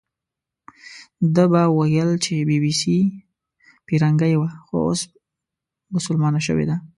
ده به ویل چې بي بي سي فیرنګۍ وه، خو اوس بسلمانه شوې ده.